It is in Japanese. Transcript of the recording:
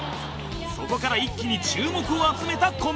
そこから一気に注目を集めたコンビ